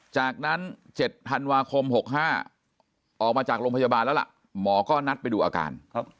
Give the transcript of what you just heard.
จากนั้น๗ธันวาคม๖๕ออกมาจากโรงพยาบาลแล้วล่ะหมอก็นัดไปดูอาการ